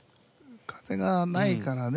風がないからね